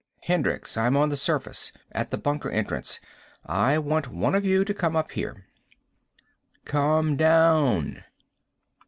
"Hendricks. I'm on the surface. At the bunker entrance. I want one of you to come up here." "Come down."